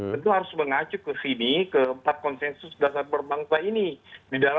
itu harus mengacu ke sini ke empat konsensus dasar berbangsa ini